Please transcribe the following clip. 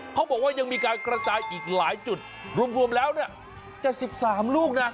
เขาบอกว่ายังมีการกระจายอีกหลายจุดรวมแล้ว๗๓ลูกนะ